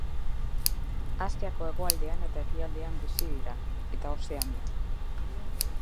Asiako hegoaldean eta ekialdean bizi dira eta Ozeanian.